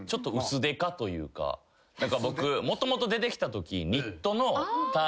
僕もともと出てきたとき。